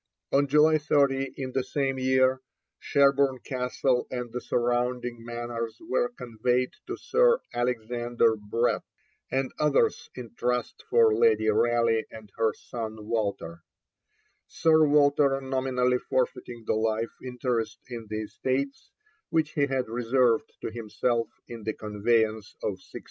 On July 30 in the same year, Sherborne Castle and the surrounding manors were conveyed to Sir Alexander Brett and others in trust for Lady Raleigh and her son Walter, Sir Walter nominally forfeiting the life interest in the estates which he had reserved to himself in the conveyance of 1602.